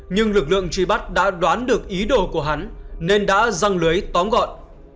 nhưng lực lượng truy bắt đã đoán được ý đồ của hắn nên đã răng lưới tóm gọn